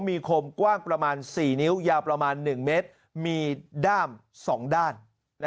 มีคมกว้างประมาณ๔นิ้วยาวประมาณ๑เมตรมีด้าม๒ด้าน